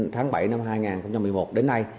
tháng bảy năm hai nghìn một mươi một đến nay